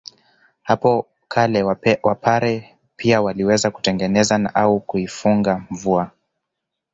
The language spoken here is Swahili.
Hapo kale Wapare pia waliweza kutengeneza au kuifunga mvua